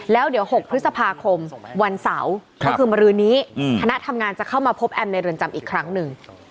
แล้วเดี๋ยว๖พฤษภาคมวันเสาร์ก็คือมรือนี้คณะทำงานจะเข้ามาพบแอมในเรือนจำอีกครั้งหนึ่ง